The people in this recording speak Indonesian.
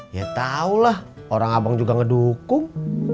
ya taulah orang abang juga ngedukung